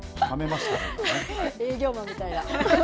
営業マンみたいな。